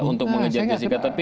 untuk mengejar jessica